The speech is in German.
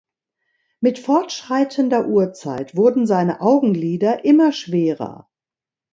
Mit fortschreitender Uhrzeit wurden seine Augenlider immer schwerer.